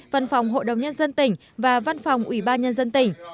văn phòng hội đồng nhân dân tỉnh và văn phòng ủy ban nhân dân tỉnh